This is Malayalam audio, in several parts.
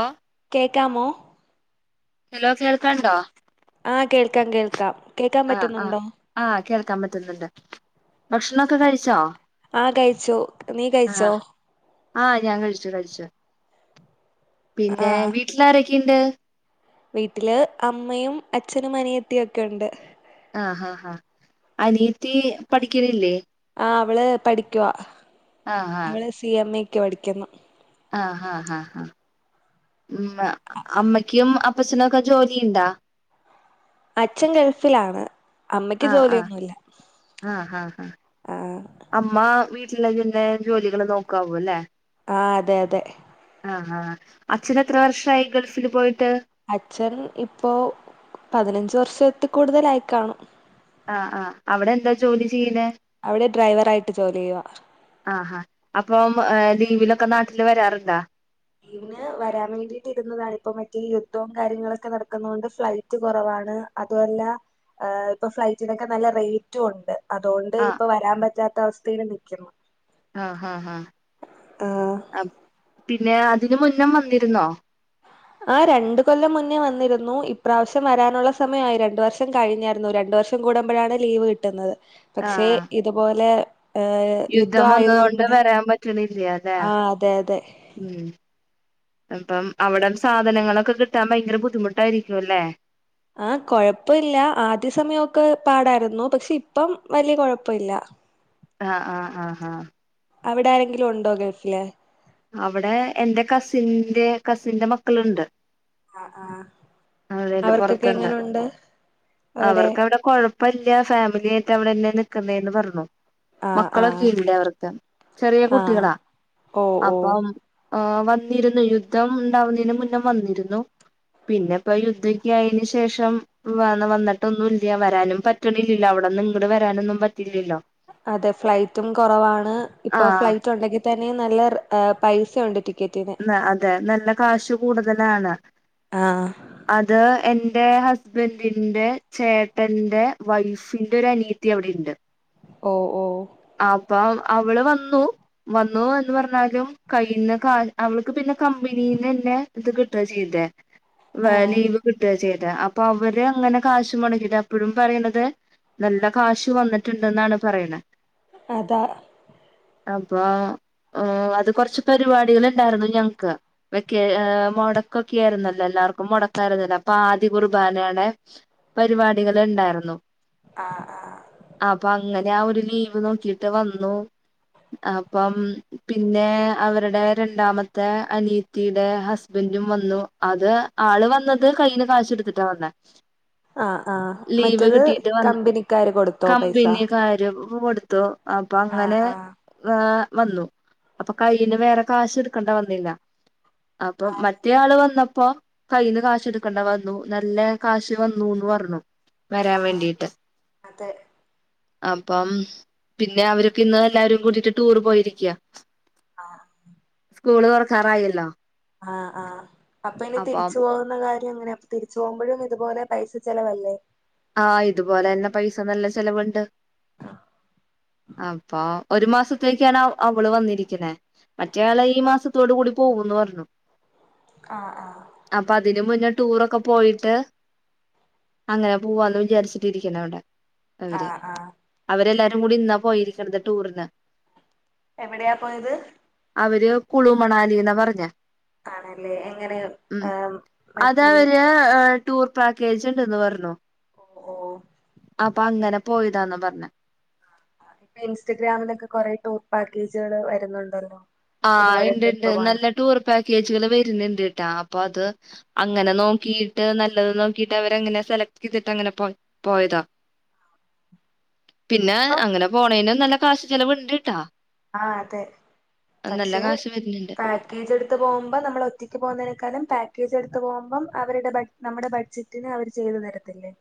ഓ.. കേക്കാമോ? ഹലോ കേൾക്കണ്ടോ? ആഹ് കേൾക്കാം കേൾക്കാം. കേക്കാൻ ആഹ ആഹ് പറ്റുന്നുണ്ടോ ആഹ് കേൾക്കാ പറ്റുന്നുണ്ട് ഭക്ഷണംക്കെ കഴിച്ചോ? ആഹ് കഴിച്ചു നീ കഴിച്ചോ? ആഹ ഞാൻ കഴിച്ചു കഴിച്ചു ആ പിന്നെ വീട്ടിലാരൊക്കിണ്ട്? വീട്ടില് അമ്മയും അച്ഛനും അനിയത്തി ഒക്കെ ഉണ്ട്. ആഹ ഹാ ഹാ അനിയത്തി പഠിക്കലില്ലേ? ആ് അവള് പഠിക്കുവാ ആഹ് അവള് സി എം എക്ക് പഠിക്കുന്നു. ആഹ് ഹാ ഹാ ഹാ ഉമ അമ്മക്കും അപ്പച്ചനും ഒക്കെ ജോലിണ്ടാ? അച്ഛൻ ഗൾഫിലാണ് അമ്മക്ക് ആഹ് ആഹ് ജോലിയൊന്നുല്ല ആഹ് ആഹ് ആഹ് ആഹ. അമ്മ വീട്ടിലെപിന്നെ ജോലികള് നോക്കാവു ലെ? ആ അതെ അതെ. ആ ആാ അച്ഛന് എത്ര വർഷയി ഗൾഫില് പോയിട്ട്? അച്ഛൻ ഇപ്പോ പതിനഞ്ച് വർഷത്തി കൂടുതൽ ആയി കാണും. ആഹ് ആ അവടെ എന്താ ജോലി ചെയ്യ്ണെ? അവിടെ ഡ്രൈവർ ആയിട്ട് ജോലി ചെയ്യുവാ. ആഹാ അപ്പം ലീവിലൊക്കെ നാട്ടില് വരാറ്ണ്ടാ? ഇന്ന് വരാ വേണ്ടിട്ടിരുന്നതാണ് ഇപ്പം മറ്റേ യുദ്ധംകാര്യങ്ങളൊക്കെ നടക്കുന്നോണ്ട് ഫ്ലൈ റ്റ് കൊറവാണ് അതുഅല്ല ഇപ്പ ഫ്ലൈറ്റിനൊക്കെ നല്ല റേറ്റും ഉണ്ട്. അതുകൊണ്ട് ആഹ് ഇപ്പൊ വരാ പറ്റാത്ത അവസ്ഥയില് നിയ്ക്കുന്നു. ആഹ ആഹ ആഹ്. ആഹ് പിന്നെ അതിന് മുന്നെ വന്നിരുന്നോ? ആഹ് രണ്ട് കൊല്ലം മുന്നേ വന്നിരുന്നു ഇപ്രാവശ്യം വരാനുള്ള സമയ ആയി രണ്ട് വർഷം കഴിഞ്ഞായിരുന്നു രണ്ട് വർഷം സം കൂടുമ്പോഴാണ് ലീവ് കിട്ടുന്നത് പക്ഷെ ആഹ് ഇതുപോലെ ഏഹ് യുദ്ധ യുദ്ധം ആയത് വന്നതോണ്ട് കൊണ്ട് വരാൻ പറ്റണില്ല അല്ലെ ആഹ് അതെ അതെ ഉം അപ്പം അവിടെ സാധനങ്ങളൊക്കെ കിട്ടാൻ ഭയങ്കര ബുദ്ധിമുട്ടായിരിക്കും അല്ലേ? ആഹ് കൊഴപ്പില്ല ആദ്യ സമയോക്കെ പാടായിരുന്നു പക്ഷെ ഇപ്പം വല്ല്യ കൊഴപ്പ ഇല്ല [inaudible] ആഹ് ആഹ് ആഹ് ആഹ് അവിടെ ആരെങ്കിലും ഉണ്ടോ ഗൾഫില്? അവടെ എന്റെ കസിന്റെ കസിന്റെ മക്കള്ണ്ട് ആഹ് ആഹ് [unintelligible] അവർക്കൊക്കെ പൊറത്ത്ണ്ട് എങ്ങനുണ്ട് അവിടെ അവർക്കവിടെ കൊഴപ്പല്ല്യ ഫാമിലി ആയിട്ട് അവിടെന്നെ നിക്കുന്നേന്ന് പറഞ്ഞു ആഹ് മക്കളൊക്കെ ആഹ് ഇല്ല അവർക്ക് ചെറിയ ആഹ് കുട്ടികളാ. ഓഹ് ഓഹ് അപ്പം ആഹ് വന്നിരുന്നു യുദ്ധം ഉണ്ടാവുന്നേന് മുന്നേ വന്നിരുന്നു. പിന്നെ പ്പം യുദ്ധക്ക്യ ആയെന് ശേഷം വന്ന വന്നിട്ട്ന്നും ഇല്ല്യ വരാനും പറ്റ്ണില്ലല്ലോ അവിടെന്ന് ഇങ്ങട് വരാനൊന്നും പറ്റില്ലല്ലോ? അതെ ഫ്ലൈറ്റും കൊറവാണ് ഇപ്പൊ ആഹ് ഫ്ലൈറ്റ് ഉണ്ടെങ്കി തന്നെ നല്ല പൈസ ഉണ്ട് ടി ന്ന അതെ നല്ല കാശു കൂടുതലാണ് ആഹ് അത് എന്റെ ഹസ്ബന്റിന്റെ ചേട്ടന്റെ വൈഫിന്റെ ഒരു അനിയത്തി അവിടെണ്ട്. ഓഹ് ഓഹ് അപ്പം അവള് വന്നു വന്നുന്ന് പർഞാലും കയ്യ്ന്ന് കാ അവൾക്ക് പിന്നെ കമ്പനീന്നനെ ഇത് കിട്ടാ ചെയ്തെ വ ആഹ് ലീവ് കിട്ടാ ചെയ്തെ പ്പൊ അവര് അങ്ങനെ കാശ് മുടക്കിട്ട അപ്പഴും പറിണത് നല്ല കാശ് വന്നിട്ടുണ്ടെന്നാണ് പറിയിണ അതാ അപ്പൊ അത് കൊർച്ച് പരിപാടികളുണ്ടായിരുന്നു ഞങ്ങക്ക് വക്കെ മുടക്കൊക്കെ ആയിരുന്നല്ലോ എല്ലാർക്കും മോടക്കായിരുന്നില്ല അപ്പൊ ആദ്യ കുർബനാണ് പരിപാടികൾ ഇണ്ടായിരുന്നു ആഹ് ആഹ് അപ്പൊ അങ്ങനെ ആഹ് ഒരു ലീവ് നോക്കിട്ട് വന്നു അപ്പം പിന്നെ അവരുടെ രണ്ടാമത്തെ അനിയത്തിടെ ഹസ്ബന്റും വന്നു അത് ആള് വന്നത് കയ്യ്ല് കാശ് എടുത്തിട്ടാ വന്നേ ആഹ് ആഹ് മറ്റത് കിട്ടിയിട്ട് വന്ന് കമ്പനിക്കാര് കൊടുത്തോ പൈസ [unintelligible] കൊടുത്തു അപ്പൊ ആഹ് അങ്ങനെ ആഹ് വന്നു അപ്പൊ കയ്യില് വേറെ കാശ് എടുക്കണ്ട വന്നില്ല അപ്പൊ മ അതെ റ്റെ ആള് വന്നപ്പോ കയ്യിന്ന് കാശ് എടുക്കണ്ട വന്നു നല്ല കാശ് വന്നുന്ന് പർഞ്ഞു വരാൻ ആഹ് വേണ്ടിട്ട് അതെ അപ്പം പിന്നെ അവരൊക്കെ ഇന്ന് എല്ലാരും കൂടിട്ട് ടൂറ് പോയിരിക്കാ ആഹ് സ്കൂള് തുറക്കാറായല്ലോ ആഹ് ആഹ് അപ്പൊ ഇനി അപ്പം തിരിച്ചു പോകുന്ന കാര്യ അങ്ങനെ തിരിച്ച് പോകുമ്പഴും ഇതുപോലെ പൈസ ചിലവല്ലേ? ആഹ് ഇതുപോലെ തന്നെ പൈസ നല്ല ചെലവുണ്ട് അപ്പൊ ഒരു മാസത്തേക്കാണ് അവള് വന്നിരിക്ക്ണെ മറ്റേയാള ഈ മാസത്തോട് കൂടി പോകൂന്ന് പറഞ്ഞു ആഹ് ആഹ് അപ്പൊ അതിന് മുന്നേ ടൂറൊക്കെ പോയിട്ട് അങ്ങനെ പോവാന്ന് വിചാരിച്ചിട്ടിരിക്ക്ണ അവിടെ അവര് ആഹ് ആഹ് അവരെല്ലാവാരും കൂടി ഇന്നാ പോയിരിക്കണത് ടൂറിന് എവിടെയാ പോയത് അവര് കുളുമണാലിന്നാ പറഞ്ഞ ആണല്ലേ എങ്ങനെ ആഹ് അത് മറ്റേ അവര് ടൂർ പാക്കേജ് ണ്ടന്ന് പറഞ്ഞു ഓഹ് അപ്പം അങ്ങനെ പോയിതാന്ന പർഞ്ഞെ ഇൻസ്റ്റഗ്രാമിലൊക്കെ കൊറെേ ടൂർ പാക്കേജള് വരുന്നുണ്ടല്ലോ ആഹ് ഇതുപോലെ ട്രിപ്പ് ഇണ്ട്ണ്ട് പോകാൻ നല്ല ടൂർ പാക്കേജുകള് വരുന്നുണ്ട്ട്ടാ അപ്പ അത് അങ്ങനെ നോക്കീട്ട് നല്ലത് നോക്കിട്ട് അവരെങ്ങനെ സെലക്ട് ചെയ്തിട്ട ങ്ങനെ പോ പോയതാ യെസ് പിന്നെ അങ്ങനെ പോണേയ്നും നല്ല കാശ് ചെലവ് ണ്ട്ട്ടാ ആഹ് അതെ പക്ഷെ കാശ് വരുന്നുണ്ട് ത ക്കേജട്ത്ത് പോകുമ്പം നമ്മൾ ഒയ്ക്ക് പോകുന്നതിനേക്കാലും പാക്കേജ് എടുത്ത് പോകുമ്പം അവര്ടെ ബ നമ്മടെ ബഡ്ജറ്റിന് അവര് ചെയ്തു തരത്തില്ലേ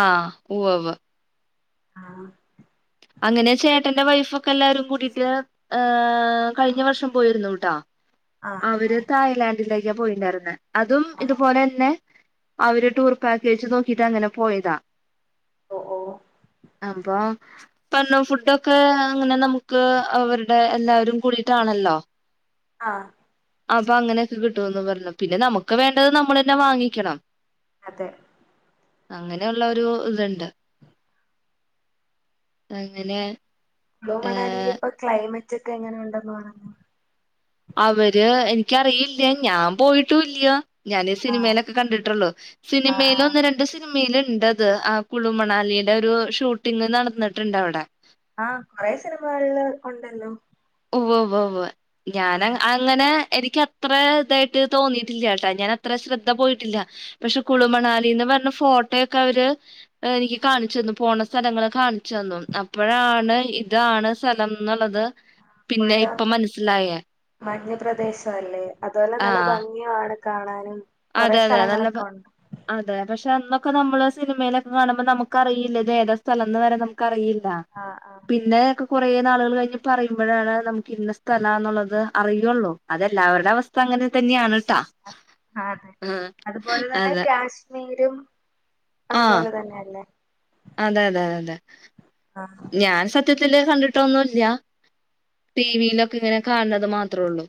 ആഹ് ഉവവ് ആഹ് അങ്ങനെ ചേട്ടന്റെ വൈഫൊക്കെ എല്ലാരും കൂടിട്ട ആഹ് കഴിഞ്ഞ വർഷം പോയിരുന്നു ട്ടാ ആഹ് അവര് ആഹ് തായ്ലാൻഡിലേക്ക പോയീണ്ടായിര്ന്നെ അതും ആഹ് ഇതുപോലെന്നെ അവര് ടൂർ പാക്കേജ് നോക്കിട്ട് അങ്ങനെ പോയതാ ഒഹ് ഓഹ് അപ്പൊ പ്പന്ന ഫുഡൊക്കെ അങ്ങനെ നമുക്ക് അവര്ടെ എല്ലാവരും കൂടിട്ടാണല്ലോ ആഹ് അപ്പൊ അങ്ങനെയൊക്കെ കിട്ടുമന്ന് പറഞ്ഞു പിന്നെ നമുക്ക് വേണ്ടത് നമ്മള് തന്നെ വാങ്ങിക്കണം അതെ അങ്ങനെയുള്ളരു ഇത്ണ്ട് അങ്ങനെ ക്ളു മണാലിയില് ഏഹ് ഇപ്പൊ ക്ലൈമറ്റ് ക്കെ എങ്ങനെണ്ടെന്ന് പറ അവര് എനിക്കറിയില്ല്യ ഞാൻ പോയിട്ടുംല്ല്യ ഞാന് ആഹ് സിനിമയിലൊക്കെ കണ്ടിട്ടുള്ളു ആഹ് സിനിമയില് ആഹ് ഒന്ന് രണ്ട് സിനിമയില്ണ്ടത് ആ കുളു മണാലിടെ ഒരു ഷൂട്ടിംങ്ങ് നടന്നിട്ടിണ്ടവിട ആഹ് കൊറേ സിനിമകളില് ഒണ്ടല്ലോ ഉവ്വ ഉവ്വ് ഉവ്വ് ഞാൻ അങ്ങ അങ്ങനെ എനിക്ക ത്ര തായിട്ട് തോന്നിയിട്ടില്ല്യട്ടാ ഞാൻ അത്ര ശ്രദ്ധ പോയിട്ടില്ല പക്ഷെ കുളുമണാലിന്ന് പറഞ്ഞ് ഫോട്ടോയൊക്കെ അവര് എനിക്ക് കാണിച്ചന്ന് പോണ സ്ഥലങ്ങള് കാൺ ചെന്നു അപ്പോഴാണ് ഇതാണ് സ്ഥലംന്നുള്ളത് പിന്നെ ഫുള്ള് ഇപ്പം മനസ്സിലായേ മഞ്ഞ് പ്രദേശവല്ലേ അതോലെ നല്ല ആഹ് ഭംഗിയാണ് കാണാനും കൊറെ അതെ അതെ നല്ല സ്ഥലങ്ങളൊക്കെ ഭ ഉണ്ട് അതെ പക്ഷെ അന്നൊക്കെ നമ്മള് സിനിമയിലൊക്കെ കാണുമ്പോൾ നമുക്കറിയില്ല ഇത് ഏതാ സ്ഥലം എന്ന് വരെ നമുക്കറിയില്ല ആഹ് ആഹ് പിന്നെ ഒക്കെ കുറേ നാളുകള് കഴിഞ്ഞ് പറയുമ്പോഴാണ് നമുക്ക് ഇന്ന സ്ഥലാന്നുള്ളത് അറിയുള്ളു അതെല്ലാവരുടെ അവസ്ഥ അങ്ങനെ തന്നെയാണ് ട്ട ആഹ് അതുപോലെ തന്നെ കാശ്മീരും ആഹ് അതുപോലെ തന്നെയല്ലേ അതെ അതെ അതെ അതെ ആഹ് ഞാൻ സത് സത്യത്തില് കണ്ടിട്ടൊന്നുല്ല ടിവിയിലൊക്കെ ഇങ്ങനെ കാണണത് മാത്രേള്ളൂ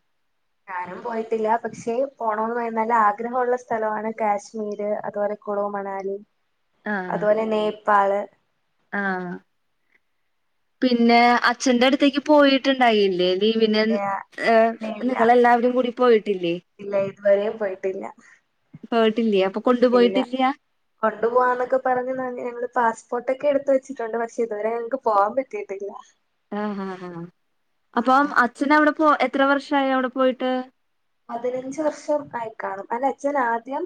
ഞാനും പോയിട്ടില്ല പക്ഷെ പോണോന്ന് നല്ല ആഗ്രഹള്ള സ്ഥലമാണ് കാശ്മീര് അതുപോലെ കുളു മണാലി അതുപോലെ നേപ്പാള് ആഹ് പിന്നെ അച്ഛന്റെ അടുത്തേക്ക് പോയിട്ടുണ്ടായില്ലേ ലീവിനൻ ഇല്ല അ ഇല്ല ഇല്ല നിങ്ങളെല്ലാവരും കൂടി പോയിട്ടില്ലേ ഇല്ല ഇതുവരെ പോയിട്ടില്ല പോയിട്ടില്യ അപ്പൊ കൊണ്ടു പോയിട്ടില്ല്യ കൊണ്ടു പോവാന്നൊക്കെ പറഞ്ഞു ഞങ്ങള് പാസ്പോർട്ട്ക്കെ എടുത്ത് വച്ചിട്ടുണ്ട് പക്ഷെ ഇതുവരെ ഞങ്ങക്ക് പോവാൻ പറ്റിയിട്ടില്ല ആഹ് ആഹ് ഹ് അപ്പം ആഹ് അച്ഛന അവിടെ പോ എത്ര വർഷായി അവിടെ പോയിട്ട് പതിനഞ്ച് വർഷം ആയി കാണും അല്ല അച്ഛൻ ആദ്യം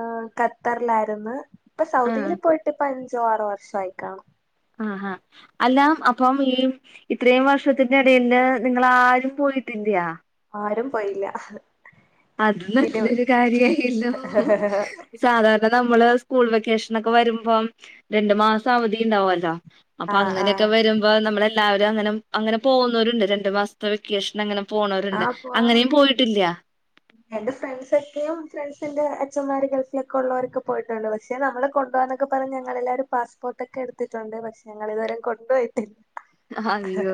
അ ഖത്തറിലായിരുന്നു ഇപ്പൊ സൗദിയില് പോയിട്ട് ഇപ്പ അഞ്ചോ ആറോ വർഷ ആയിക്കാണും ആഹ് ആഹ് അല്ല അപ്പം ഈ ഇത്രയും വർഷത്തിന്റെ ഇടയില് നിങ്ങളാരും പോയിട്ടില്ലയാ ആരും പോയില്ല അത് പിന്നെ നല്ലൊരു കാര്യായില്ലോ സാധാരണ നമ്മള് സ്കൂൾ വെക്കേഷൻ ഒക്കെ വരുമ്പം രണ്ടു മാസം അവധി ഉണ്ടാവല്ലോ അപ്പൊ ആഹ് അങ്ങനെയൊക്കെ ആഹ് വരുമ്പോ നമ്മളെ എല്ലാവരും അങ്ങനെ അങ്ങനെ പോകുന്നവരുണ്ട് രണ്ട് മാസത്തെ വെക്കേഷൻ അങ്ങനെ പോണോരുണ്ട് അങ്ങനെയും പോയിട്ടില്ല ഉം എന്റെ ഫ്രണ്ട്സ ഒക്കെയും ഫ്രണ്ട്സിന്റെ അച്ഛമാര് ഗൾഫില് ഒക്കെ ഉള്ളവരൊക്കെ പോയിട്ടുണ്ട് പക്ഷെ നമ്മള് കൊണ്ടു പോന്ന ക്കെ പറഞ്ഞ ഞങ്ങളെല്ലാരും പാസ്പോർട്ട്ക്കെ എടുത്തിട്ടുണ്ട് പക്ഷെ ഞങ്ങൾ ഇതുവരെ കൊണ്ട് പോയിട്ടില്ല അയ്യോ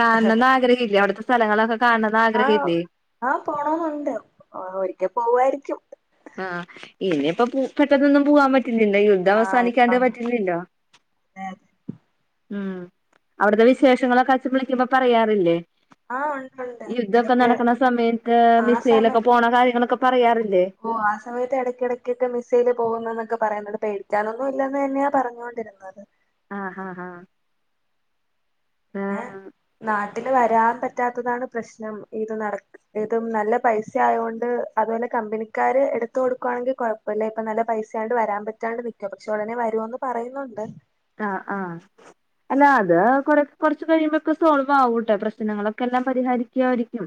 കാണണന്ന് ആഗ്രഹല്ലേ അവിടുത്തെ സ്ഥലങ്ങളൊക്കെ കാണ ആഹ് ആഹ് പോണോന്നുണ്ട് ഒരിക്കൽ പോവായിരിക്കും ആഹ് ഇനി ഇപ്പ പൂ പെട്ടെന്നൊന്നു പൂവാൻ പറ്റില്ലല്ലോ ഈ യു ആഹ് ഇപ്പം അതെതെ ഉം അവിടത്തെ വിശേഷങ്ങളൊക്കെ അച്ച വിളിക്കുമ്പോ പറയാറില്ലേ ആഹ് ഉണ്ട് ഉണ്ട് യുദ്ധൊക്കെ ഇടക്ക് നടക്കണ സമയത്ത് ആ മിസൈലോക്കെ പോണ കാര്യങ്ങളൊക്കെ പറയാറില്ലേ ഓഹ് ആ സമയത്ത് ഇടയ്ക്കിടയ്ക്കൊക്ക് മിസ്സയില് പോകുന്ന എന്നൊക്കെ പറയുന്നുണ്ട് ഇ പേടിക്കാനൊന്നും ഇല്ലെന്ന് തന്നെയാ പറഞ്ഞോൊണ്ടിരുന്നത് ആഹ് ആഹ് ആഹ് ഏഹ് ആഹ് നാട്ടന് വരാൻ പറ്റാത്തതാണ് പ്രശ്നം ഇത് നട ഏതും നല്ല പൈസ ആയൊണ്ട് അതുപോലെ കമ്പനിക്കാര് എടുത്ത കൊടുക്കുവാണെങ്കിൽ കൊയ് അപ്പല്ല ഇപ്പൊ നല്ല പൈസയണ്ട് വരാൻ പറ്റാണ്ട് നിക്കോ പക്ഷെ ഉടനെ വരുമന്ന് പറയുന്നുണ്ട് ആഹ് ആഹ് അല്ല അത് കൊറ കുറച്ച കഴിയുമ്പോക്കെ സോൾവ് ആകൂട്ടെ പ്രശ്നങ്ങളൊക്കെ എല്ലാം പരിഹരിക്കമായിരിക്കും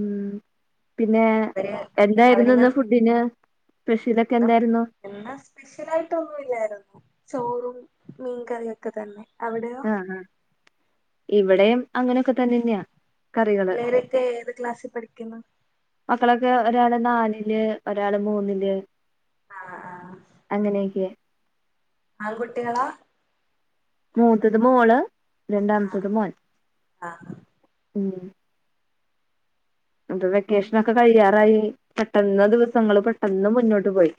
ഉം പിന്നെ അവര് എന്തായിരുന്നു അവരിങ്ങ ഇന്ന് ഫുഡിന് സ്പെഷ്യൽ ക്ക എന്തായിരുന്നു ഇന്ന് സ്പെഷ്യൽ ആയിട്ട ഒന്നുമല്ലായിരുന്നു ചോറും മീൻകറിയൊക്കെ തന്നെ അവിടെയൊ ആഹ് ഇവിടെയും അങ്ങനെയൊക്കെ തന്നെന്നെയാ കറികള് പിളേളരൊക്കെ ഏത് ക്ലാസ്സിൽ പഠിക്കുന്നു മക്കളൊക്കെ ഒരാള് നാലില് ഒരാള് മൂന്നില് ആഹ് ആഹ് അങ്ങനെയൊക്കെ ആൺകുട്ടികളാ മൂത്തത് മോള് രണ്ടാമത്തത് മോൻ ആഹ് അപ്പൊ വെക്കേഷന ഒക്കെ കഴിയാറായി പെട്ടന്ന് ദിവസങ്ങള് പെട്ടെന്ന് മുന്നോട്ട് പോയി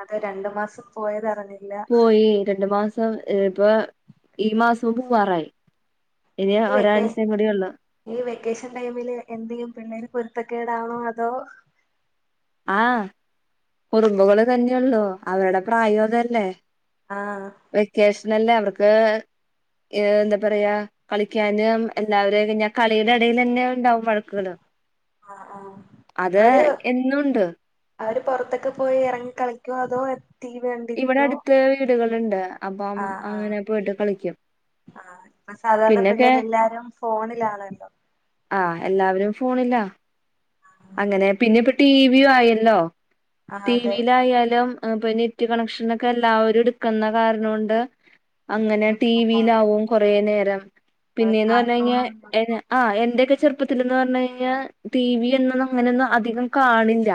അതെ രണ്ടു മാസം പോയത്റിഞ്ഞു പോയി രണ്ടു മാസം ഇപ്പൊ ഈ മാസം പൂവാറായി ഇനി ഈ വെക്കേ ഒരാഴ്ചയും കൂടിയേ ഉള്ളൂ ഈ വെക്കേഷൻ ടൈമില് എന്തെങ്കിലും പിള്ളേര് പൊരുത്തക്കെടാണോ അതോ ആഹ് കുറുമ്പുകള് തന്നെയള്ളൂ അവരുടെ പ്രായം അതല്ലേ ആഹ് വെക്കേഷന അല്ലേ അവർക്ക് എന്താ പറയാ കളിക്കാനും എല്ലാവരെയ കഴിഞ്ഞ കളിയുടെ ഇടയിൽ തന്നെ ഉണ്ടാവും വഴ ക്കള്അത് ആഹ് ആഹ് അവര് എന്നുംണ്ട് അവര് പുറത്തൊക്കെ പോയി ഇറങ്ങി കളിക്കുവോ അതോ ടി വി ഇവിടെ കണ്ടിരിക്കോ അടുത്ത് വീടുകളുണ്ട് അപ്പം ആഹ് ആഹ് അങ്ങനെ പോയിട്ട് കളിക്കും ആഹ് ഇപ്പ സാധാരണ പിന്നൊക്കെ പിള്ളേരെല്ലാരും ഫോണിലാണല്ലോ ആഹ് എല്ലാവരും ഫോണില അങ്ങനെ പിന്നെ ഇപ്പ ടിവിയും ആയല്ലോ ആഹ് ടി അതെ വിയിലായാലും പിന്നെ നെറ്റ് കണക്ഷൻ ഒക്കെ എല്ലാവരും എടുക്കുന്ന കാരണം കൊണ്ട് അങ്ങനെ ടി യൂട്യൂബും വിയിലാവും കൊറെ നേരം അത് പിന്നെയന്ന് പറഞ്ഞഞ് കാർട്ടൂണും കഴിഞ്ഞാൽ യൂട്യൂബും ആഹ് എന്റെയൊക്കെ ചെറുപ്പത്തിന്ന് പറഞ്ഞു കഴിഞ്ഞാൽ ടി വി എന്നൊന്നും അങ്ങനെയൊന്നും അധികം കാണില്ല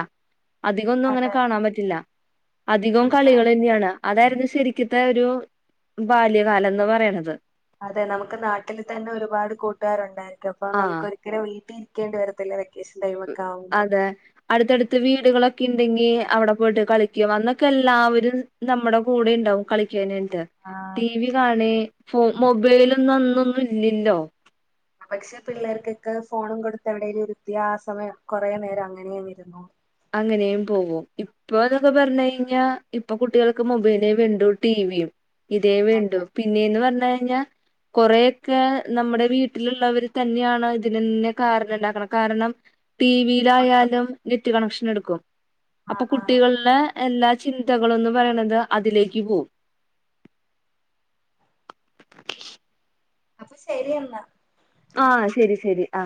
അധികം ഒന്നും അങ്ങനെ അതെ കാണാൻ പറ്റില്ല അധികം നമുക്ക് കളികൾ തന്നെയാണ് അതായിരുന്നു ശരിക്കത്തെ ഒരു ബാല്യകാലംന്ന് പറയണത് അതെ നമുക്ക് നാട്ടിൽ തന്നെ ഒരുപാട് കൂട്ടുകാരുണ്ടായിരിക്കും അപ്പൊ ആ നമുക്ക് ഒരിക്കലും വീട്ടിൽ ഇരിക്കേണ്ടി വരത്തില്ല വ്യക് അതെ അടുത്തടുത്ത് വീടുകളൊക്കെ ഉണ്ടെങ്കി അവിടെ പോയിട്ട് കളിക്കും അന്നൊക്കെ എല്ലാവരും നമ്മുടെ കൂടെ ഉണ്ടാവും കളിക്കാനട്ട ആഹ് ടി അതെ വി കാണ ഫോ മൊബൈലൊന്നും അന്നൊന്നും ഇല്ലല്ലോ പക്ഷെ പിള്ളേർക്കൊക്കെ ഫോണും കൊടുത്ത എവിടേൽ ഇരുത്തിയ വൃത്യാസമം കൊറെ നേരം അങ്ങനെയ ഇരുന്നോളും അങ്ങനെയും പോകും ഇപ്പോ എന്നൊക്കെ പറഞ്ഞു കഴിഞ്ഞാൽ ഇപ്പൊ കുട്ടികൾക്ക് മൊബൈലേ വേണ്ടു ടിവിയും ഇതേ വേണ്ടു അതെ പിന്നെയന്ന് പറഞ്ഞ കഴിഞ്ഞാൽ കൊറെയൊക്കെ നമ്മുടെ വീട്ടിലുള്ളവർ തന്നെയാണ് ഇതിനന്നെ കാരണംണ്ടാക്കണം കാരണം ടി വിയിലായാലും നെറ്റ് കണക്ഷൻ എടുക്കും അപ്പൊ ആഹ് ആഹ് കുട്ടികൾളെ എല്ലാ ചിന്തകളൊന്നു പറയണത് അതിലേക്ക് പോവും അപ്പൊ ശരിയെന്നാ ആഹ് ശരി ശരി ആ